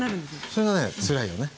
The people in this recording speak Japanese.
それがねつらいよね。